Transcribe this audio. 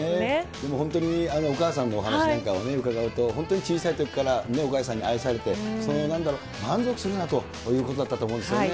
でも本当にお母さんのお話なんかを伺うと、本当に小さいときからお母さんに愛されて、そのなんだろう、満足するなということだったと思うんですよね。